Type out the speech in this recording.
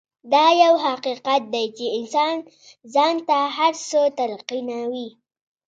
دا يو حقيقت دی چې انسان ځان ته هر څه تلقينوي.